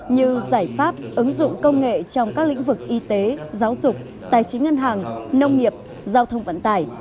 như giải pháp ứng dụng công nghệ trong các lĩnh vực y tế giáo dục tài chính ngân hàng nông nghiệp giao thông vận tải